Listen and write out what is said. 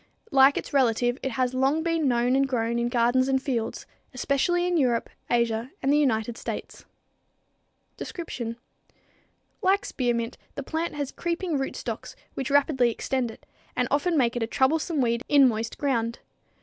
Like its relative, it has long been known and grown in gardens and fields, especially in Europe, Asia and the United States. Description. Like spearmint, the plant has creeping rootstocks, which rapidly extend it, and often make it a troublesome weed in moist ground.